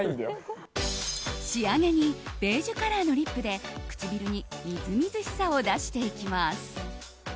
仕上げにベージュカラーのリップで唇にみずみずしさを出していきます。